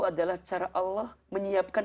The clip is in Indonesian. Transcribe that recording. adalah cara allah menyiapkan